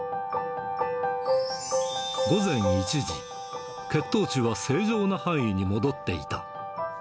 午前１時、血糖値は正常な範囲に戻っていた。